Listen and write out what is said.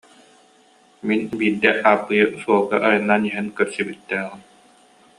Мин биирдэ Ааппыйы суолга айаннаан иһэн көрсүбүттээҕим